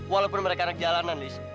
walaupun mereka anak jalanan liz